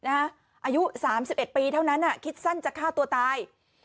อายุ๓๑ปีเท่านั้นคิดสั้นจะฆ่าตัวตาย